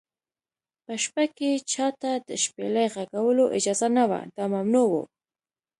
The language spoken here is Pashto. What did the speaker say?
په شپه کې چا ته د شپېلۍ غږولو اجازه نه وه، دا ممنوع و.